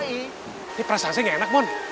ini perasaan saya nggak enak mon